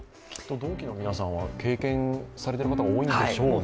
同期の皆さんは経験されてる方多いんでしょうね。